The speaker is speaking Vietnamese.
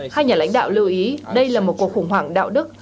hai nhà lãnh đạo lưu ý đây là một cuộc khủng hoảng đạo đức